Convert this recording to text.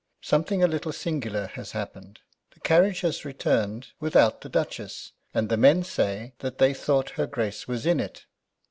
"Something a little singular has happened. The carriage has returned without the Duchess, and the men say that they thought her Grace was in it."